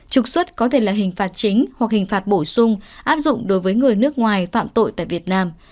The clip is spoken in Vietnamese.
trục xuất có thể là hình phạt chính hoặc hình phạt bổ sung áp dụng đối với người nước ngoài phạm tội tại việt nam